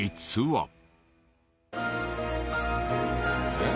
えっ？